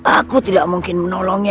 aku tidak mungkin menolongnya